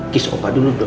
kis opah dulu dong